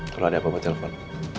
kalau ada apa aku telepon